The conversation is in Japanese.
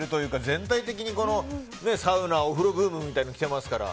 全体的にサウナ、お風呂ブームが来ていますから。